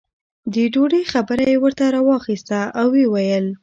د ډوډۍ خبره یې ورته راواخسته او یې وویل.